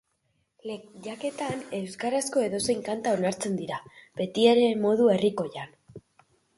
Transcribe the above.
Lehiaketan euskarazko edozein kanta onartzen dira, betiere modu herrikoian.